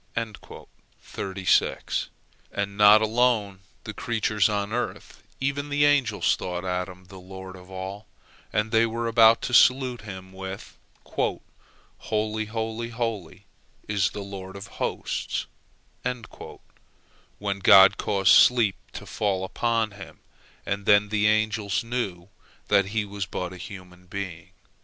'" And not alone the creatures on earth, even the angels thought Adam the lord of all, and they were about to salute him with "Holy, holy, holy, is the Lord of hosts," when God caused sleep to fall upon him, and then the angels knew that he was but a human being.